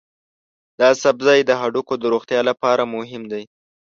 دا سبزی د هډوکو د روغتیا لپاره مهم دی.